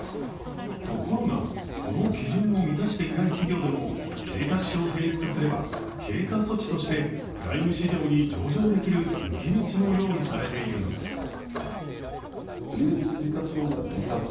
ところが、この基準を満たしていない企業でも計画書を提出すれば経過措置としてプライム市場に上場できる抜け道も用意されているんです。